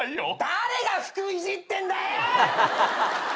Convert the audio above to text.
誰が服いじってんだよ！！